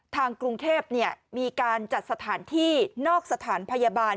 ทางกรุงเทพมีการจัดสถานที่นอกสถานพยาบาล